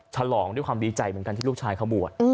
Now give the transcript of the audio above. ฉลองด้วยความดีใจเหมือนกันที่ลูกชายเขาบวช